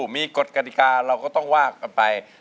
มีกฎกฎิกาเราก็ต้องว่ากันไป